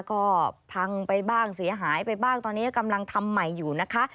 ก็พังไปบ้างเสียหายไปบ้างตอนนี้กำลังทำใหม่อยู่นะคะ